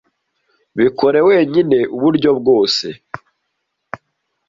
Bikore wenyine uburyo bwose.